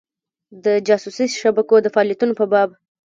د جاسوسي شبکو د فعالیتونو په باب.